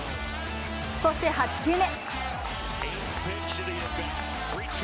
そして８球目。